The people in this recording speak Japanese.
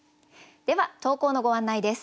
では投稿のご案内です。